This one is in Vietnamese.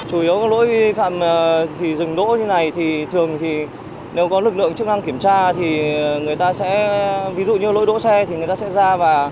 chủ yếu có lỗi vi phạm thì dừng đỗ như này thì thường thì nếu có lực lượng chức năng kiểm tra thì người ta sẽ ví dụ như lỗi đỗ xe thì người ta sẽ ra và